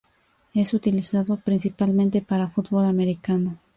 Es utilizado principalmente para fútbol americano.